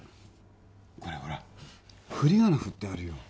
これほらふりがな振ってあるよ